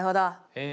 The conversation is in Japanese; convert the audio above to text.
え